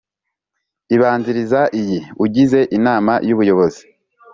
Ibanziriza iyi ugize inama y ubuyobozi